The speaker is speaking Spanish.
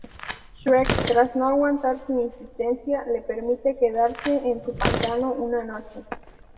Shrek tras no aguantar su insistencia, le permite quedarse en su pantano una noche.